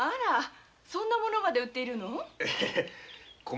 そんな物まで売ってるの？